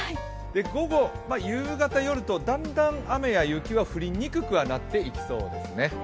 午後、夕方、夜とだんだん雨や雪は降りにくくなっていきそうですね。